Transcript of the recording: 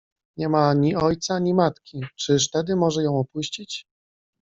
Nie ma ni ojca, ni matki, czyż tedy może ją opuścić?